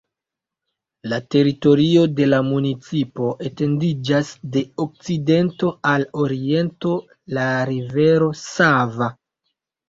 La teritorio de la municipo etendiĝas de okcidento al oriento la rivero Sava.